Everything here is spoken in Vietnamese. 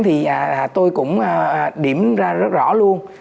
thì tôi cũng điểm ra rất rõ luôn